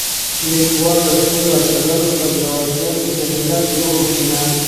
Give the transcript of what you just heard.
لیکوال د خپلو اتلانو په زړورتیا کې د ملت روح وینه.